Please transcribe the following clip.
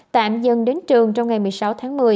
tạm dừng đến trường trong ngày một mươi sáu tháng một mươi